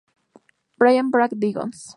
Bryan Brack Discogs.